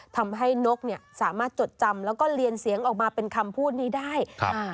ทำให้นกเนี่ยสามารถจดจำแล้วก็เรียนเสียงออกมาเป็นคำพูดนี้ได้ครับอ่า